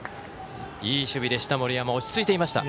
いい守備でした、森山落ち着いていました。